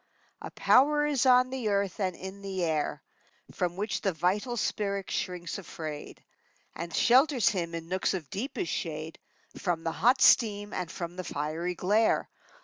A power is on the earth and in the air From which the vital spirit shrinks afraid, And shelters him, in nooks of deepest shade, From the hot steam and from the fiery glare.